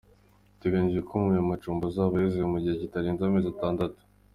Biteganyijwe ko ayo macumbi azaba yuzuye mu gihe kitarenze amezi atandatu.